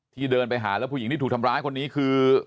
เดินไปหาแล้วผู้หญิงที่ถูกทำร้ายคนนี้คือ